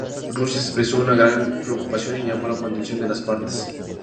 Rusia expresó una "gran preocupación" y llamó a la contención de las partes.